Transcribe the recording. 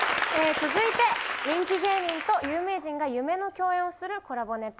続いて人気芸人と有名人が夢の共演をするコラボネタ。